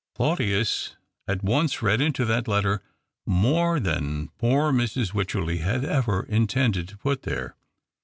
Claudius at once read into that letter more than poor Mrs. Wycherley had ever intended to put there.